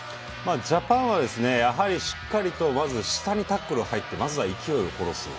ジャパンはしっかりまず下にタックル入ってまずは勢いを殺す。